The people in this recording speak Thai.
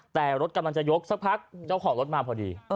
แต่รถกำลังจะยกสักพักเจ้าของรถมาพอดี